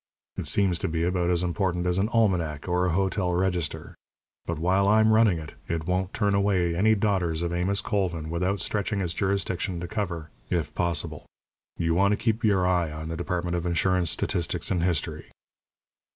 It seems to be about as important as an almanac or a hotel register. But while I'm running it, it won't turn away any daughters of Amos Colvin without stretching its jurisdiction to cover, if possible. You want to keep your eye on the Department of Insurance, Statistics, and History."